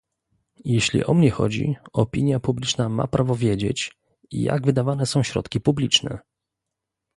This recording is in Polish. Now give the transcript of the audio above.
Jeśli o mnie chodzi, opinia publiczna ma prawo wiedzieć, jak wydawane są środki publiczne